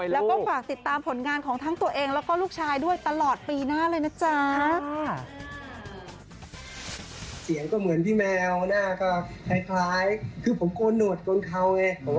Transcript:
แล้วก็ฝากติดตามผลงานของทั้งตัวเองแล้วก็ลูกชายด้วยตลอดปีหน้าเลยนะจ๊ะ